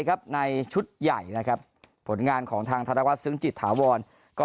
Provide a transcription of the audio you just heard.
ครับในชุดใหญ่นะครับผลงานของทางธนวัฒนซึ้งจิตถาวรก็